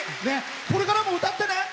これからも歌ってね！